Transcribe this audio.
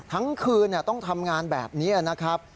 ทั้งคืนต้องทำงานแบบนี้นะครับ